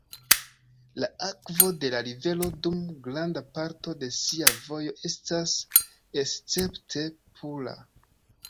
La akvo de la rivero dum granda parto de sia vojo estas escepte pura.